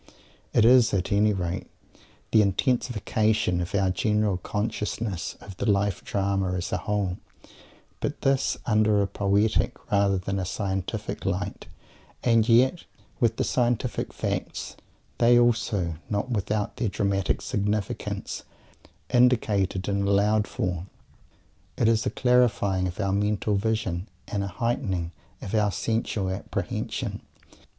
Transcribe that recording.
It is, at any rate, an intensification of our general consciousness of the Life Drama as a whole, but this, under a poetic, rather than a scientific, light, and yet with the scientific facts, they also not without their dramatic significance indicated and allowed for. It is a clarifying of our mental vision and a heightening of our sensual apprehension.